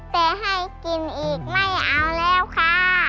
แต่ให้กินอีกไม่เอาแล้วค่ะ